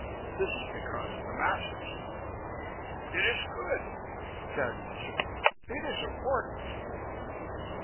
This is because of the masters." "It is good," Cadnan said. "It is important."